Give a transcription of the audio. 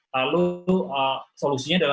lalu solusinya adalah